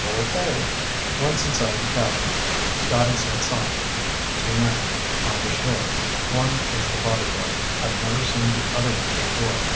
"Okay." Once inside the cabin, Scotty said softly, "Two men. On the shore. One is the bodyguard. I've never seen the other one before.